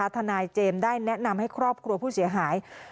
ทนายเจมส์ได้แนะนำให้ครอบครัวผู้เสียหาย